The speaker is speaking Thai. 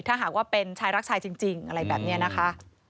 ถ้าหากว่าเป็นชายรักชายจริงอะไรแบบนี้นะคะ